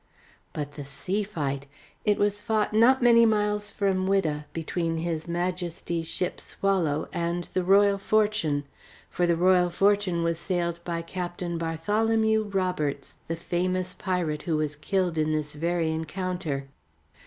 But the sea fight! It was fought not many miles from Whydah between His Majesty's ship Swallow and the Royal Fortune; for the Royal Fortune was sailed by Captain Bartholomew Roberts, the famous pirate who was killed in this very encounter.